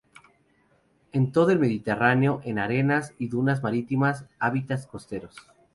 En todo el Mediterráneo, en arenas y dunas marítimas, hábitats costeros.